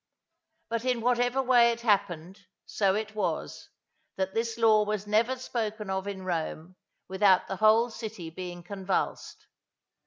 But in whatever way it happened, so it was, that this law was never spoken of in Rome without the whole city being convulsed.